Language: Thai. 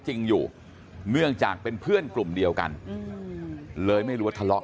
จริงอยู่เนื่องจากเป็นเพื่อนกลุ่มเดียวกันเลยไม่รู้ว่าทะเลาะ